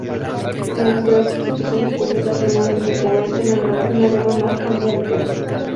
Mientras que las instituciones públicas normalmente cubren una gama más amplia de temas.